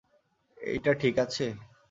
এইটা ঠিক আছে?